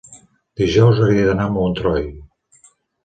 Dijous hauria d'anar a Montroi.